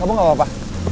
kamu gak apa apa